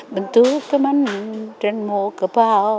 bần tứ cơ băn rân mô cơ băn